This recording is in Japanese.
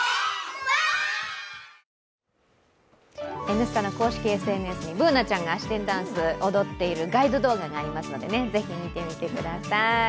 「Ｎスタ」の公式ＳＮＳにＢｏｏｎａちゃんがあし天ダンスを躍っているガイド動画がありますのでぜひ見てみてください。